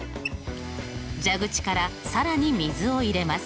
蛇口から更に水を入れます。